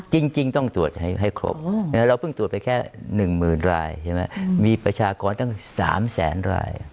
จริงต้องตรวจให้ครบเราเพิ่งตรวจไปแค่๑๐๐๐รายใช่ไหมมีประชากรตั้ง๓แสนราย